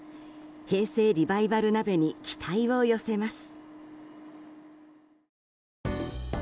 平成リバイバル鍋に期待を寄せます。